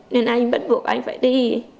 nên anh bắt buộc anh phải đi